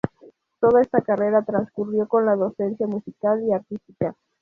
Toda esta carrera transcurrió con la docencia musical y artística.